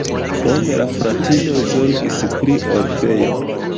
Krome la fratinoj zorgis pri orfejo.